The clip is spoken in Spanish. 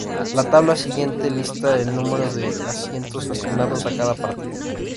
La tabla siguiente lista el número de asientos asignados a cada partido.